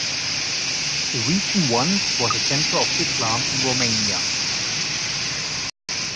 The region once was a centre of Islam in Romania.